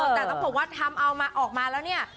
แต่ต้องบอกว่าทำเอาออกมาแล้วเนี่ย